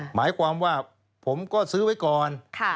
หมายความว่าผมก็ซื้อไว้ก่อน